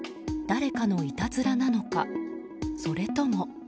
誰かのいたずらなのかそれとも。